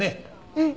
うん！